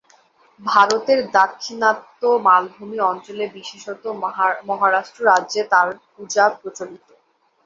ভারতের দাক্ষিণাত্য মালভূমি অঞ্চলে, বিশেষত মহারাষ্ট্র রাজ্যে তাঁর পূজা প্রচলিত।